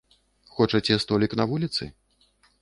Хочаце столік на вуліцы?